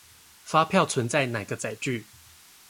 發票存在哪個載具